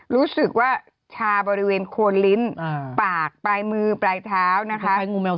รู้สึกว่าชาบริเวณโคนลิ้นปากปลายมือปลายเท้านะคะ